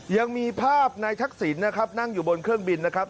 ยังมีภาพนายทักษิณนะครับนั่งอยู่บนเครื่องบินนะครับ